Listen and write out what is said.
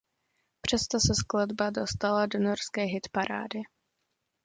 Přesto se skladba dostala do norské hitparády.